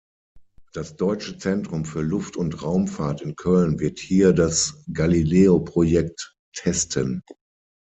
Das Deutsche Zentrum für Luft- und Raumfahrt in Köln wird hier das Galileo-Projekt testen.